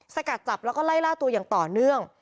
สกัดจับแล้วก็ไล่ล่าตัวอย่างต่อเนื่อง